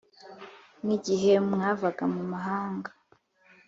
Nk`igihe mwavaga mu mahanga